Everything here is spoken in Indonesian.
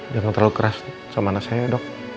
jangan terlalu keras sama anak saya dok